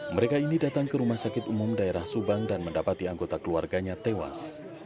mereka ini datang ke rumah sakit umum daerah subang dan mendapati anggota keluarganya tewas